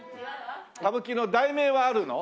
歌舞伎の題名はあるの？